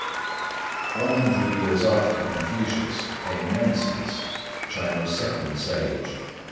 One hundred years after Confucius came Mencius, China's second sage.